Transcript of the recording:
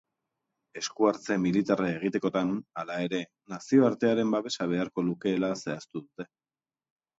Esku-hartze militarra egitekotan, hala ere, nazioartearen babesa beharko lukeela zehaztu dute.